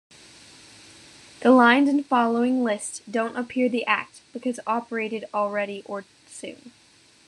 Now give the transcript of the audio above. The lines in following list don't appear the act, because operated already or soon.